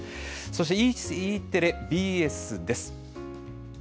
そしてＥテレ、ＢＳです。